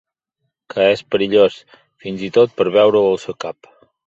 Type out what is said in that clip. Que és perillós, fins i tot per veure-ho al seu cap.